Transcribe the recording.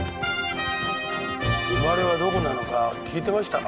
生まれはどこなのか聞いてましたか？